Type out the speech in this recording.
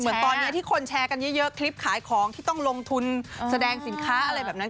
เหมือนตอนนี้ที่คนแชร์กันเยอะคลิปขายของที่ต้องลงทุนแสดงสินค้าอะไรแบบนั้น